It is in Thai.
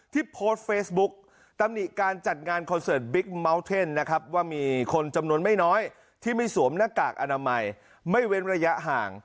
โพสต์เฟซบุ๊กตำหนิการจัดงานคอนเสิร์ตบิ๊กเมาส์เทนนะครับว่ามีคนจำนวนไม่น้อยที่ไม่สวมหน้ากากอนามัยไม่เว้นระยะห่าง